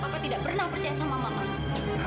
aku sudah pengen pergi novels dua tiga tahun